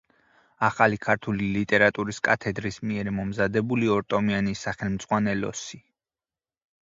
ახალი ქართული ლიტერატურის კათედრის მიერ მომზადებული ორტომიანი სახელმძღვანელოსი.